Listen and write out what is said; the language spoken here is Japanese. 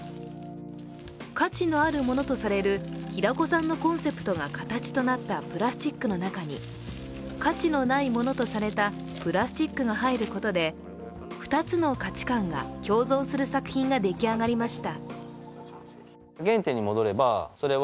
価値のあるものとされる平子さんのコンセプトが形となったプラスチックの中に価値のないものとされたプラスチックが入ることで２つの価値観が共存する作品が出来上がりました。